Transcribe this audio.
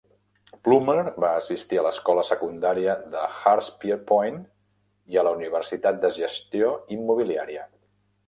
Plummer va assistir a l'escola secundària de Hurstpierpoint i a la Universitat de Gestió Immobiliària.